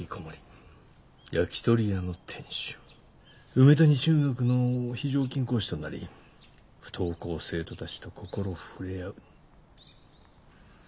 梅谷中学の非常勤講師となり不登校生徒たちと心触れ合う。